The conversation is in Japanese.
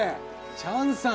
チャンさん。